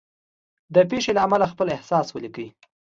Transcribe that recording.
د پېښې له امله خپل احساس ولیکئ.